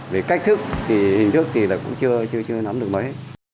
về cách thức thì hình thức thì cũng chưa nắm được mấy